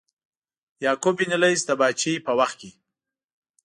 یعقوب بن لیث د پاچهۍ په وخت کې.